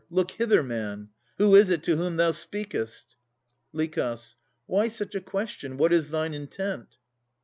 Look hither, man. Who is't to whom thou speakest? LICH. Why such a question? What is thine intent?